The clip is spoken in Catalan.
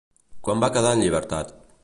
Quan va quedar en llibertat?